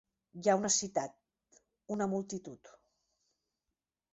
Hi ha una citat, una multitud.